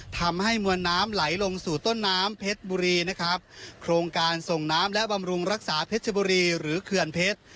ทำให้มวลน้ำไหลลงสู่ต้นน้ำเพชรบุรีนะครับโครงการส่งน้ำและบำรุงรักษาเพชรบุรีหรือเขื่อนเพชร